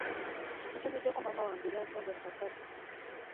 Ntumiddeko maama wange e Lyantonde mu katale.